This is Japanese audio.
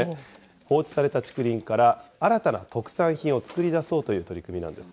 放置された竹林から新たな特産品を作り出そうという取り組みなんです。